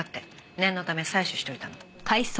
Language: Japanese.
念のため採取しておいたの。